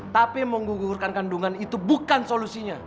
tapi menggugurkan kandungan itu bukan solusinya